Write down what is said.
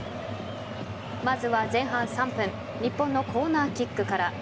まずは前半３分日本のコーナーキックから。